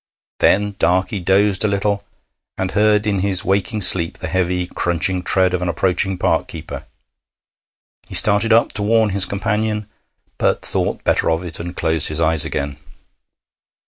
Then Darkey dozed a little, and heard in his waking sleep the heavy, crunching tread of an approaching park keeper; he started up to warn his companion, but thought better of it, and closed his eyes again.